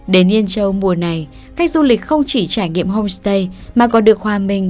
đến yên châu mùa này cách du lịch không chỉ trải nghiệm homestay mà còn được hòa minh